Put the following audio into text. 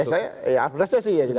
ya saya ya apresiasi ya juga